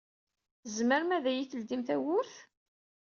Tzemrem ad yi-d-teldim tawwurt?